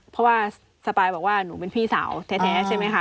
เพราะว่าสปายบอกว่าหนูเป็นพี่สาวแท้ใช่ไหมคะ